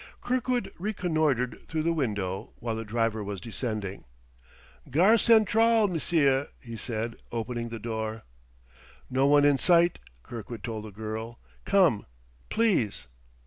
Kirkwood reconnoitered through the window, while the driver was descending. "Gare Centrale, M'sieu'," he said, opening the door. "No one in sight," Kirkwood told the girl. "Come, please."